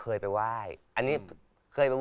เคยไปไหว้อันนี้มากต้องกิน